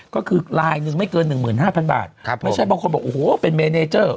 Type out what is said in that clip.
ก็คือลายหนึ่งไม่เกินหนึ่งหมื่นห้าพันบาทครับไม่ใช่บางคนบอกโอ้โหเป็นเมเนเจอร์